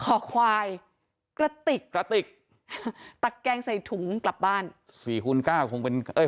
ขอควายกระติกกระติกตักแกงใส่ถุงกลับบ้านสี่คูณเก้าคงเป็นเอ้ย